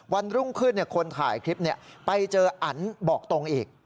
วันรุ่งขึ้นคนถ่ายคลิปไปเจออันบอกตรงอีก